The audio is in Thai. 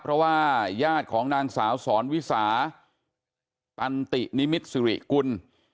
เพราะว่าญาติของนางสาวสอนวิสาตันตินิมิตสิริกุล